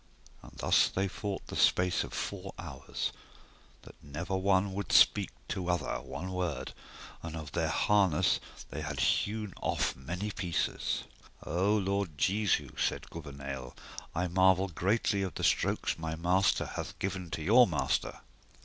And thus they fought the space of four hours, that never one would speak to other one word, and of their harness they had hewn off many pieces. O Lord Jesu, said Gouvernail, I marvel greatly of the strokes my master hath given to your master.